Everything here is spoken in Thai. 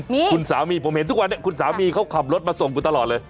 นี่คุณสามีผมเห็นทุกวันนี้คุณสามีเขาขับรถมาส่งคุณตลอดเลย